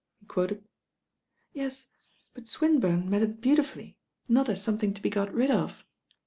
'" he quoted. "Yes; but Swinburne meant it beautifully, not as something to be got rid of.